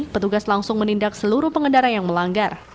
petugas langsung menindak seluruh pengendara yang melanggar